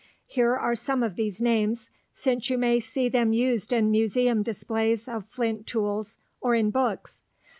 Here are some of these names, since you may see them used in museum displays of flint tools, or in books.